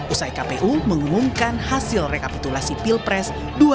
usai kpu mengumumkan hasil rekapitulasi pilpres dua ribu dua puluh empat